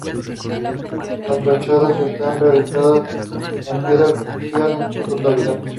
Las fachadas están realizadas en piedra artificial en su totalidad.